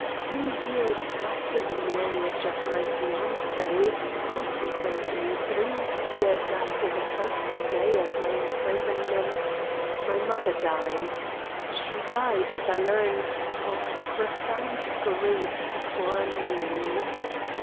Two years after the marriage of my fiancee, consequently three years after the first day of my imprisonment, my mother died she died, as I learned, of profound grief for me.